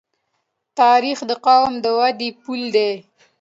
تاریخ د قوم د ودې پل دی.